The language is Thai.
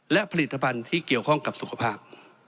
และผลิตภัณฑ์ที่เกี่ยวข้องกับสุขภาพ